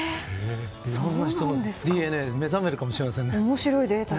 いろんな人のＤＮＡが目覚めるかもしれませんね。